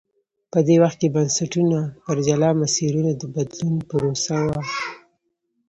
په دې وخت کې بنسټونه پر جلا مسیرونو د بدلون پروسې ووه.